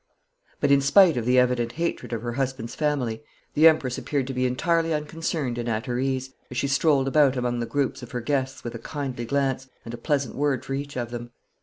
But in spite of the evident hatred of her husband's family, the Empress appeared to be entirely unconcerned and at her ease as she strolled about among the groups of her guests with a kindly glance and a pleasant word for each of them.